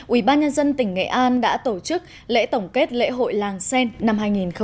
ubnd tỉnh nghệ an đã tổ chức lễ tổng kết lễ hội làng sen năm hai nghìn một mươi chín